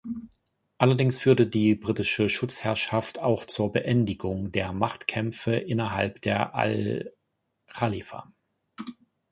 Allerdings führte die britische Schutzherrschaft auch zur Beendigung der Machtkämpfe innerhalb der Al Chalifa.